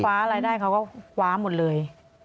เขาฟ้าอะไรได้เขาก็ฟ้าหมดเลย